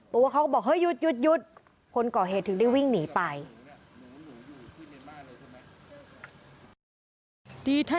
ตัวเขาก็บอกเฮ้ยหยุดคนก่อเหตุถึงได้วิ่งหนีไป